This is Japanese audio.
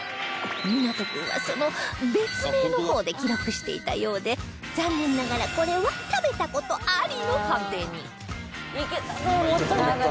湊君はその別名の方で記録していたようで残念ながらこれは食べた事ありの判定に